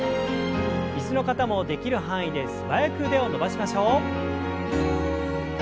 椅子の方もできる範囲で素早く腕を伸ばしましょう。